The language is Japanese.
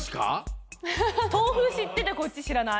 豆腐知っててこっち知らない？